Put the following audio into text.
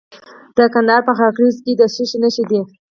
د کندهار په خاکریز کې د څه شي نښې دي؟